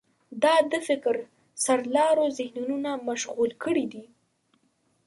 دا د فکر سرلارو ذهنونه مشغول کړي دي.